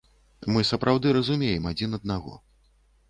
Мы сапраўды разумеем адзін аднаго.